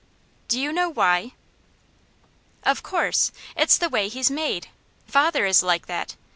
"Do you know WHY?" "Of course! It's the way he's MADE! Father is like that!